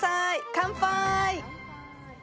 乾杯。